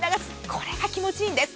これが気持ちいいんです。